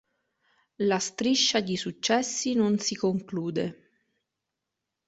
La striscia di successi non si conclude.